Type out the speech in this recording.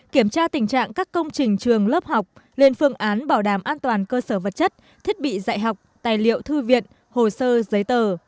kiểm tra tình trạng các công trình trường lớp học lên phương án bảo đảm an toàn cơ sở vật chất thiết bị dạy học tài liệu thư viện hồ sơ giấy tờ